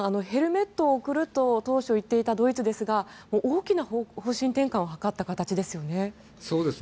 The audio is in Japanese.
ヘルメットを送ると当初言っていたドイツですが大きな方針転換を図った形ですね。